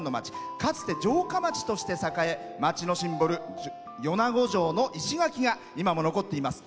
かつて城下町として栄え町のシンボル、米子城の石垣が今も残っています。